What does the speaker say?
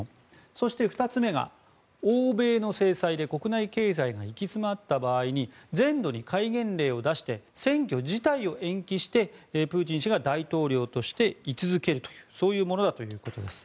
そして２つ目が、欧米の制裁で国内経済が行き詰まった場合に全土に戒厳令を出して選挙自体を延期してプーチン氏が大統領として居続けるというものだということです。